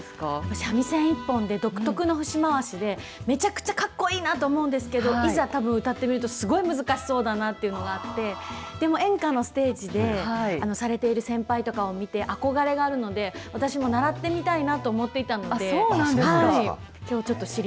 三味線一本で、独特の節回しで、めちゃくちゃかっこいいなと思うんですけど、いざ、たぶん歌ってみると、すごい難しそうだなっていうのがあって、でも演歌のステージでされている先輩とかを見て、憧れがあるので、私も習ってみたいなと思っていたので。